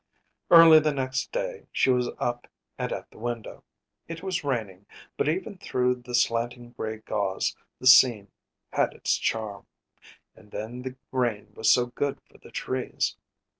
Early the next day she was up and at the window. It was raining, but even through the slanting gray gauze the scene had its charm and then the rain was so good for the trees.